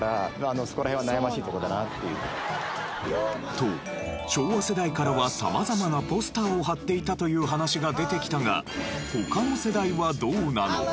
と昭和世代からは様々なポスターを貼っていたという話が出てきたが他の世代はどうなのか？